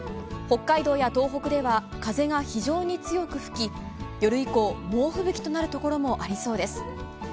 北海道や東北では風が非常に強く吹き夜以降、猛吹雪となるところもありそうです。